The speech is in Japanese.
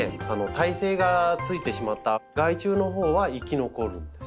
耐性がついてしまった害虫のほうは生き残るんです。